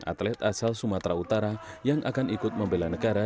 atlet asal sumatera utara yang akan ikut membela negara